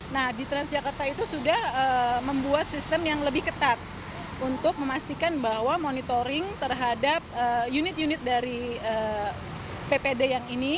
nah di transjakarta itu sudah membuat sistem yang lebih ketat untuk memastikan bahwa monitoring terhadap unit unit dari ppd yang ini